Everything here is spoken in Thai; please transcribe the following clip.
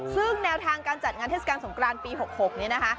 ซึ่งแนวทางการจัดงานเทศกาลสงครานปี๖๖นี้นะคะ